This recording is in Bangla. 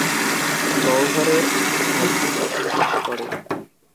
গহ্বরের ছাদটি তখন ধসে পড়ে।